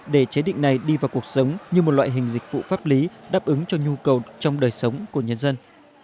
để chế định này đi vào cuộc sống như một loại hình dịch vụ pháp lý đáp ứng cho nhu cầu trong đời sống của nhân dân